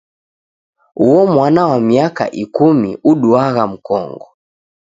Uo mwana wa miaka ikumi uduagha mkongo.